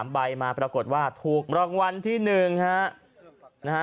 ๓ใบมาปรากฏว่าถูกรองวัลที่๑นะครับ